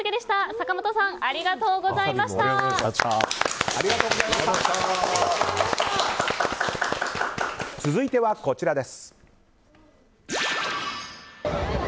坂本さん続いてはこちらです。